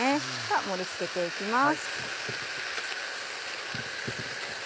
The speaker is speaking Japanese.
盛り付けて行きます。